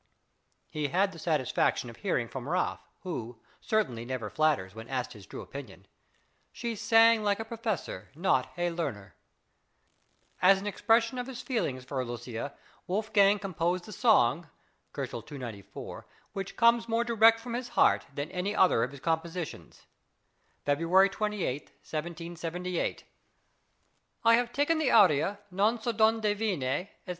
He had the satisfaction of hearing from Raaff, "who certainly never flatters," when asked his true opinion: "She sang like a professor, not like a learner." As an expression of his feelings for Aloysia, Wolfgang composed the song (294 K.) which comes more direct from his heart than any other of his compositions (February 28, 1778): I have taken the aria, "Non sò d'onde viene," &c.